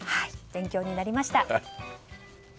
勉強になりました。